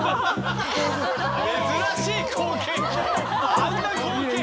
珍しい光景。